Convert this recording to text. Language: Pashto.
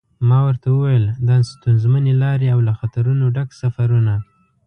ما ورته و ویل دا ستونزمنې لارې او له خطرونو ډک سفرونه.